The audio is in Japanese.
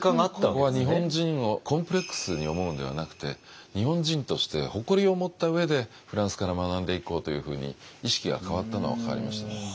ここは日本人をコンプレックスに思うんではなくて日本人として誇りを持った上でフランスから学んでいこうというふうに意識が変わったのは変わりましたね。